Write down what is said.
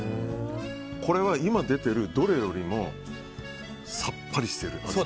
これは今出ているどれよりもさっぱりしてる。